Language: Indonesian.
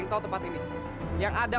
empat jangan lewat kebelakangan dia